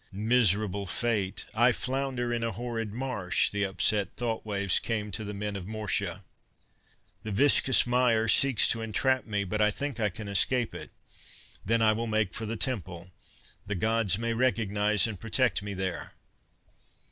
_ "Miserable fate! I flounder in a horrid marsh," the upset thought waves came to the men of Mortia. "The viscous mire seeks to entrap me, but I think I can escape it. Then I will make for the Temple. The Gods may recognize and protect me there."